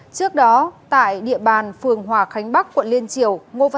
trước đó tại địa bàn phường hòa khánh bắc quận liên triều